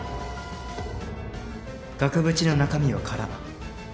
額縁の中身は空